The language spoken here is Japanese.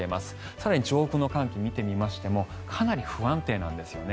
更に上空の寒気を見てみましてもかなり不安定なんですよね。